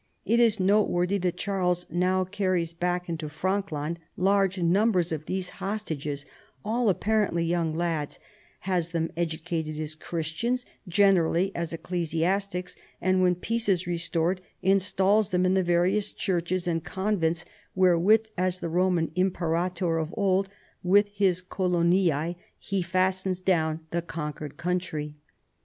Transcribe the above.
It is noteworthy that Charles now carries back into Frank land large num. bers of these hostages — all apparently young lads — has thcni educated as Christians, generally as ec clesiastics, and wlien peace is restored instals them in the various churches and convents wherewith, as II 162 CHARLEMAGNE. the Koman imjperator of old with his coloniw, he fastens clown the conquered country.